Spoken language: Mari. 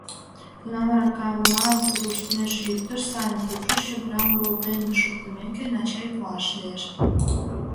Тунам аракамат руштмеш йӱктыш, сайын пукшыш, чодырам волтен шуктымеке, «на чай» пуаш лие.